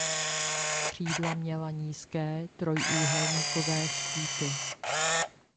Křídla měla nízké trojúhelníkové štíty.